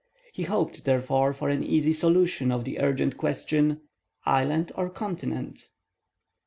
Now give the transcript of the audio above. He hoped, therefore, for an easy solution of the urgent question, "Island or continent?"